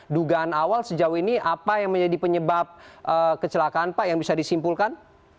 dugaan awal sejauh ini apa yang menjadi penyebab kecelakaan pak yang bisa disimpulkan